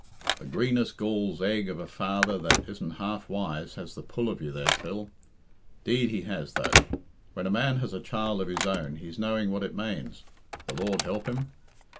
The greenest gall's egg of a father that isn't half wise has the pull of you there, Phil. 'Deed he has, though. When a man has a child of his own he's knowing what it manes, the Lord help him.